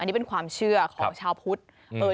อันนี้เป็นความเชื่อของชาวพุทธ